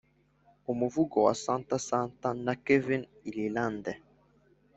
umuvugo wa santa santa. na kevin irilande